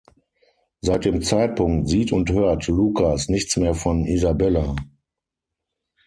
Seit dem Zeitpunkt sieht und hört Lukas nichts mehr von Isabella.